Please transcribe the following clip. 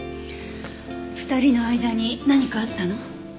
２人の間に何かあったの？